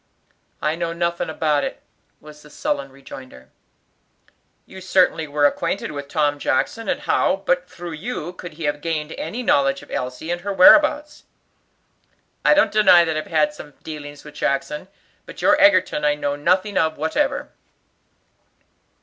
"I know nothing about it," was the sullen rejoinder. "You certainly were acquainted with Tom Jackson, and how, but through you, could he have gained any knowledge of Elsie and her whereabouts?" "I don't deny that I've had some dealings with Jackson, but your Egerton I know nothing of whatever."